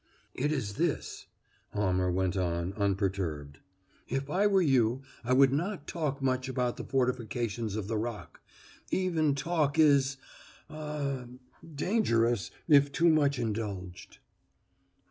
"It is this," Almer went on, unperturbed: "If I were you I would not talk much about the fortifications of the Rock. Even talk is ah dangerous if too much indulged."